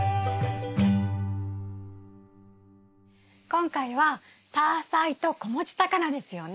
今回はタアサイと子持ちタカナですよね。